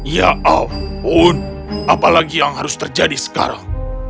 ya ampun apalagi yang harus terjadi sekarang